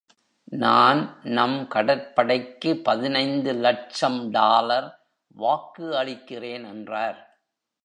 நான், நம் கடற்படைக்கு பதினைந்து லட்சம் டாலர் வாக்கு அளிக்கிறேன் என்றார்.